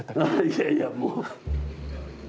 いやいやもう。